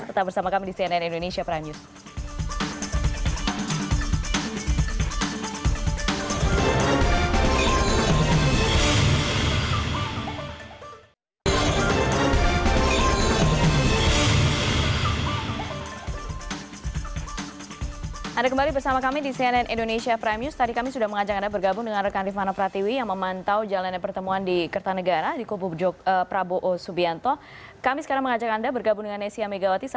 tetap bersama kami di cnn indonesia prime news